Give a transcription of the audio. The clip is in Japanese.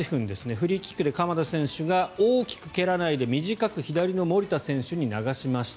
フリーキックで鎌田選手が大きく蹴らずに短く左の守田選手に流しました。